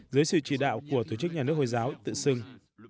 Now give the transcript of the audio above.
dưới sự chỉ đạo của tổ chức nhà nước hồi giáo tự xưng